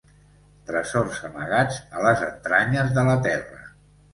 Tresors amagats a les entranyes de la terra.